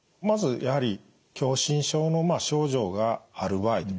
まずやはり狭心症の症状がある場合。